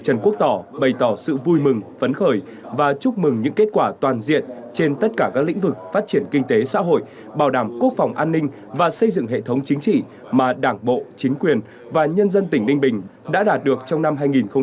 trần quốc tỏ bày tỏ sự vui mừng phấn khởi và chúc mừng những kết quả toàn diện trên tất cả các lĩnh vực phát triển kinh tế xã hội bảo đảm quốc phòng an ninh và xây dựng hệ thống chính trị mà đảng bộ chính quyền và nhân dân tỉnh ninh bình đã đạt được trong năm hai nghìn một mươi tám